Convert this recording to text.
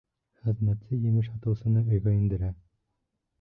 Хеҙмәтсе емеш һатыусыны өйгә индерә.